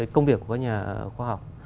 công việc của nhà khoa học